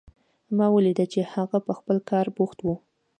ما ولیدل چې هغه په خپل کار بوخت و